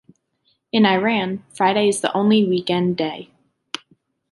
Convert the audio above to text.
In Iran, Friday is the only week-end day.